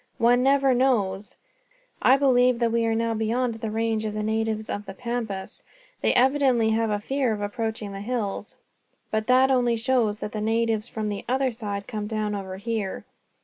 One never knows. I believe that we are now beyond the range of the natives of the Pampas. They evidently have a fear of approaching the hills; but that only shows that the natives from the other side come down over here.